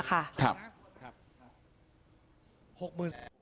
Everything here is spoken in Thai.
ครับ